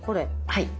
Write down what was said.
はい。